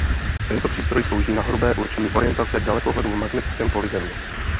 Tento přístroj slouží na hrubé určení orientace dalekohledu v magnetickém poli Země.